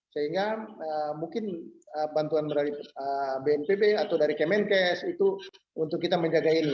sehingga mungkin bantuan dari bnpb atau dari kemenkes itu untuk kita menjaga ini